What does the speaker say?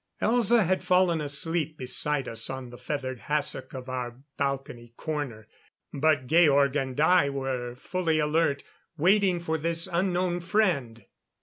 Elza had fallen asleep, beside us on the feathered hassock of our balcony corner. But Georg and I were fully alert waiting for this unknown friend.